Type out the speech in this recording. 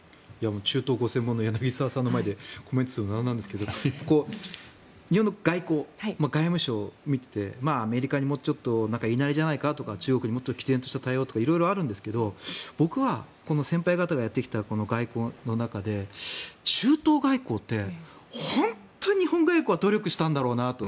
中東ご専門の柳澤さんの前でコメントするのもあれなんですが日本の外交、外務省を見ていてアメリカにも言えないじゃないかとか中国にきぜんとした対応をとかいわれますが僕は先輩方がやってきた外交の中で中東外交って本当に日本外交は努力したんだろうなと。